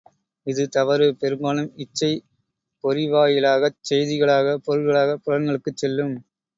இது தவறு, பெரும்பாலும் இச்சை, பொறிவாயிலாகச் செய்திகளாக, பொருள்களாகப் புலன்களுக்குச் செல்லும்.